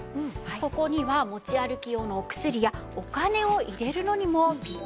ここには持ち歩き用のお薬やお金を入れるのにもピッタリです。